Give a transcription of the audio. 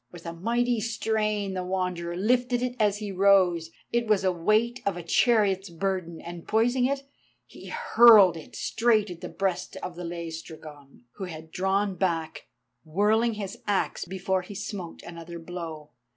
With a mighty strain the Wanderer lifted it as he rose, it was a weight of a chariot's burden, and poising it, he hurled it straight at the breast of the Laestrygon, who had drawn back, whirling his axe, before he smote another blow.